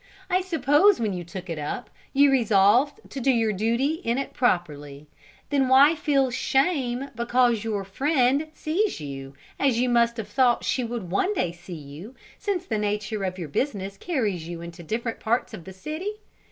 I suppose when you took it up, you resolved to do your duty in it properly; then why feel shame because your friend sees you, as you must have thought she would one day see you, since the nature of your new business carries you into different parts of the city?